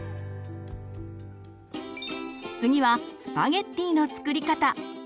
次はスパゲッティの作り方。